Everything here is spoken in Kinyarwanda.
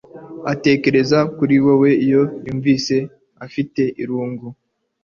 Aratekereza kuri we iyo yumva afite irungu